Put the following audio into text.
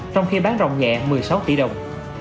trong khi bán rồng nhẹ một mươi sáu tỷ đồng